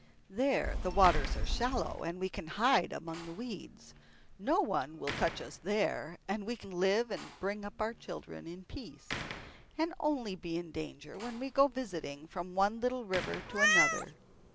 There the waters are shallow, and we can hide among the weeds. No one will touch us there, and we can live and bring up our children in peace, and only be in danger when we go visiting from one little river to another.